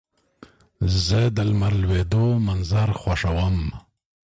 زه د لمر لوېدو منظر خوښوم.